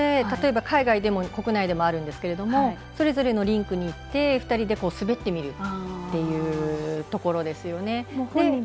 例えば海外でも国内でもありますがそれぞれのリンクに行って２人で滑ってみるというところですよね。